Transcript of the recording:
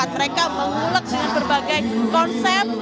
mereka mengulek dengan berbagai konsep